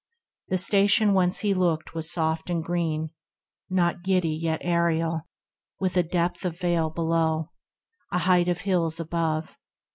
The station whence he looked was soft and green, Not giddy yet aerial, with a depth Of vale below, a height of hills above.